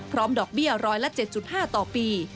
ดอกเบี้ยร้อยละ๗๕ต่อปี